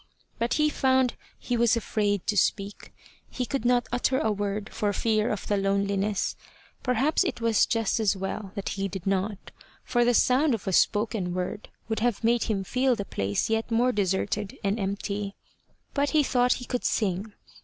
But he found he was afraid to speak. He could not utter a word for fear of the loneliness. Perhaps it was as well that he did not, for the sound of a spoken word would have made him feel the place yet more deserted and empty. But he thought he could sing.